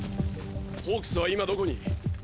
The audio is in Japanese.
ホークスは今どこに？